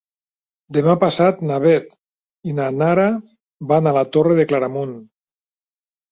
Demà passat na Beth i na Nara van a la Torre de Claramunt.